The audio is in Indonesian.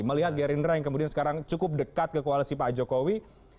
melihat gerindra yang kemudian sekarang cukup dekat ke koalisi pak jokowi